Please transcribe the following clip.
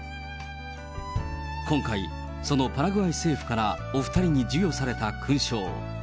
今回、そのパラグアイ政府からお２人に授与された勲章。